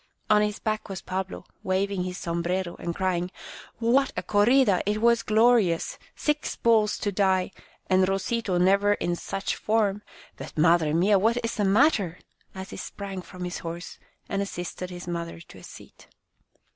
On his back was Pablo, waving his sombrero^ and crying, " What a corrida ! It was glorious ! Six bulls to die, and Rosito never in such form ! But, madre mia, what is the matter ?" as he sprang from his horse and assisted his mother to a seat.